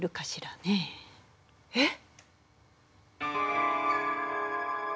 えっ？